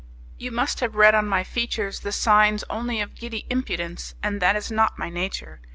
You must have read on my features the signs only of giddy impudence, and that is not my nature.